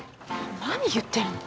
何言ってるの。